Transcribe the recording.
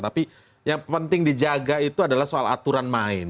tapi yang penting dijaga itu adalah soal aturan main